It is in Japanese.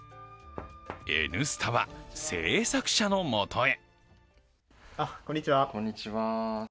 「Ｎスタ」は制作者のもとへ。